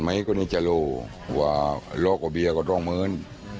วันนี้แน่มันก็ละกว่าเบียก็ต้องเงิน